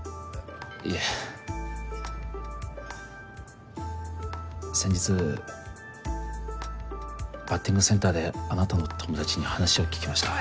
いえ先日バッティングセンターであなたの友達に話を聞きました